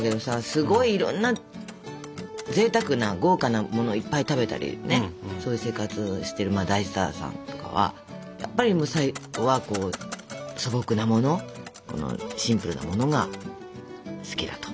すごいいろんなぜいたくな豪華なものいっぱい食べたりそういう生活をしてる大スターさんとかはやっぱり最後は素朴なものシンプルなものが好きだと。